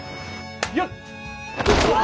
よっ。